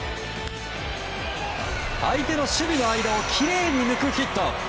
相手の守備の間をきれいに抜くヒット。